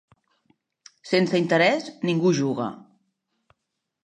Sense interès, ningú juga.